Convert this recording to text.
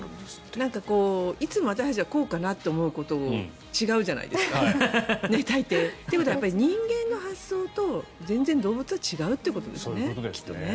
なんか、いつも私たちがこうかなと思うことは違うじゃないですか、大抵。ということは人間の発想と、全然動物は違うってことですよね。